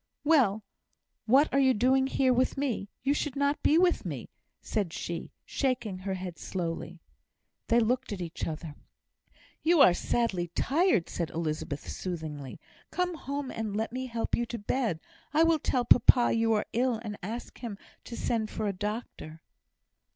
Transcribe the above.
"Well! what are you doing here with me? You should not be with me," said she, shaking her head slowly. They looked at each other. "You are sadly tired," said Elizabeth, soothingly. "Come home, and let me help you to bed. I will tell papa you are ill, and ask him to send for a doctor."